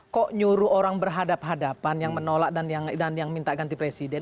kok nyuruh orang berhadapan hadapan yang menolak dan yang minta ganti presiden